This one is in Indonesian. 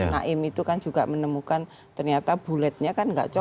naim itu kan juga menemukan ternyata buletnya kan nggak cocok